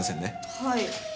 はい。